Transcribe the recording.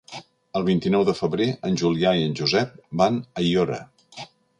El vint-i-nou de febrer en Julià i en Josep van a Aiora.